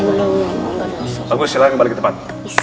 tunggu silahkan kembali ke depan